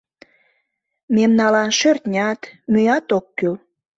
Мемналан шӧртнят, мӱят ок кӱл.